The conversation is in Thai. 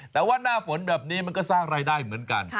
แต่ว่าหน้าฝนแบบนี้มันก็สร้างรายได้เหมือนกัน